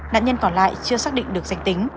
nạn nhân còn lại chưa xác định được danh tính